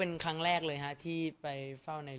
สงฆาตเจริญสงฆาตเจริญ